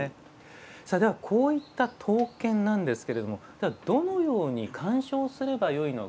こういった刀剣なんですけれどもどのように鑑賞すればよいのか。